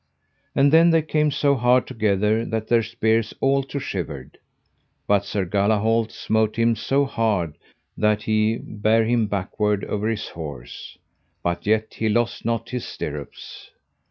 And then they came so hard together that their spears all to shivered, but Sir Galahalt smote him so hard that he bare him backward over his horse, but yet he lost not his stirrups.